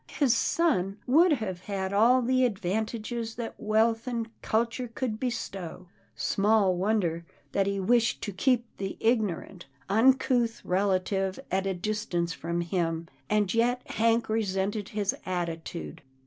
His son would have had all the advantages that wealth and culture could bestow. Small wonder, that he wished to keep the ignorant, uncouth relative at a distance from him, and yet Hank resented his attitude.